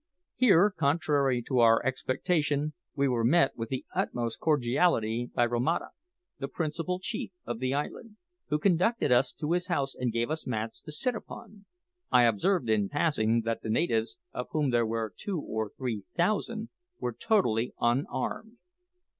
Here, contrary to our expectation, we were met with the utmost cordiality by Romata, the principal chief of the island, who conducted us to his house and gave us mats to sit upon. I observed in passing that the natives, of whom there were two or three thousand, were totally unarmed.